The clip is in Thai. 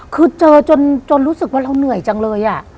คือเจอจนรู้สึกว่าเราเหนื่อยจังเลย